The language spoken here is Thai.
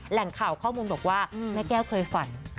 แหล่งข่าวข้อมูลบอกว่าแม่แก้วเคยฝัน